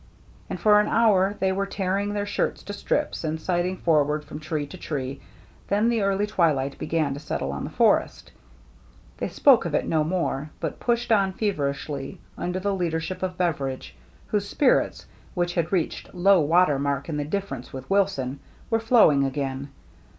And for an hour they were tearing their shirts to strips, and sighting forward from tree to tree ; then the early twilight began to settle on the forest. They spoke of it no more, but pushed on feverishly under the leadership of Beveridge, whose spirits, which had reached low water mark in the difference with Wilson, 266 THE MERRT ANNE were flowing again.